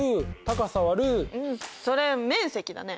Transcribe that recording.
それ面積だね。